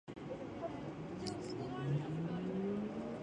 石川県能登町